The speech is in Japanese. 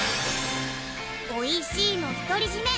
おいしいの独り占め